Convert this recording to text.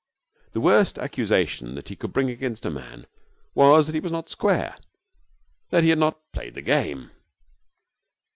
The worst accusation that he could bring against a man was that he was not square, that he had not played the game.